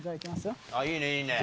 いいねいいね！